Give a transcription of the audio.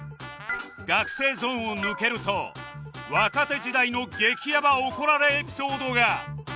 学生ゾーンを抜けると若手時代の激やば怒られエピソードが